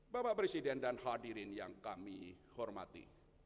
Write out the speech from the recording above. bapak presiden dan hadirin yang kami hormati